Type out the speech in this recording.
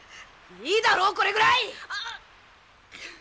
いいだろこれぐらい！